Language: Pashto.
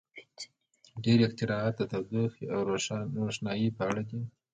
• ډېری اختراعات د تودوخې او روښنایۍ په اړه دي.